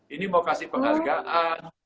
ini mau kasih penghargaan